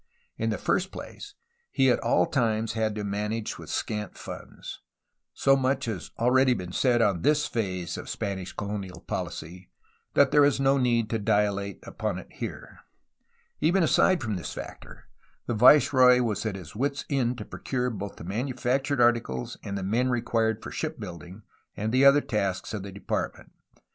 In the first place he at all times had to manage with scant funds; so much has already been said on this phase of Spanish colonial poUcy that there is no need to dilate upon it here. But, even aside from this factor, the viceroy was at his wit's end to procure both the manufactured articles and the men required for shipbuilding and the other tasks of the Depart ment.